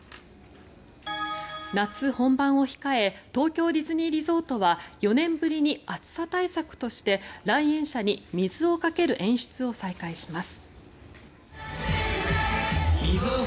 夏本番を控え東京ディズニーリゾートは４年ぶりに暑さ対策として来園者に水をかける演出を再開します。